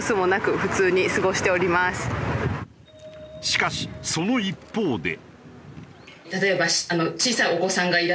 しかしその一方で。